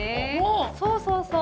そうそうそう。